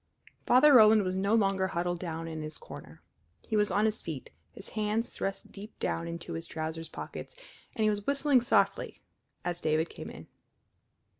Father Roland was no longer huddled down in his corner. He was on his feet, his hands thrust deep down into his trousers pockets, and he was whistling softly as David came in.